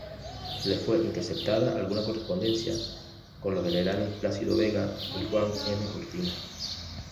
Le fue interceptada alguna correspondencia con los generales Plácido Vega y Juan N. Cortina.